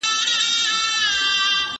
بهرنۍ پالیسي د خلګو له ارادې جلا نه وي.